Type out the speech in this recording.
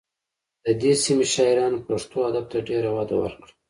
د دې سیمې شاعرانو پښتو ادب ته ډېره وده ورکړه